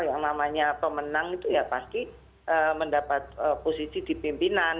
yang namanya pemenang itu ya pasti mendapat posisi di pimpinan